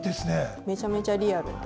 めちゃめちゃリアルなんです。